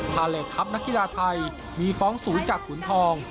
พาเลสทัพนักกีฬาไทยมีฟ้องศูนย์จากขุนทอง